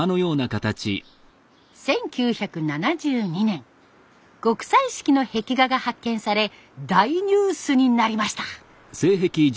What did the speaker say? １９７２年極彩色の壁画が発見され大ニュースになりました。